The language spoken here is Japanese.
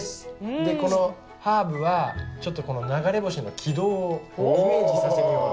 でこのハーブは流れ星の軌道をイメージさせるような。